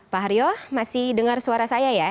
pak haryo masih dengar suara saya ya